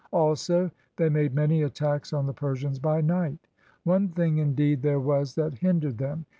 Also they made many attacks on the Per sians by night. One thing, indeed, there was that hin dered them.